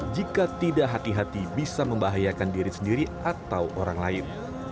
jika tidak hati hati bisa membahayakan diri sendiri atau orang lain